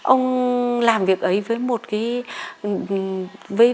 ông làm việc ấy với một cái